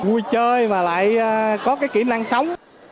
vui chơi mà lại có cái kỹ năng sống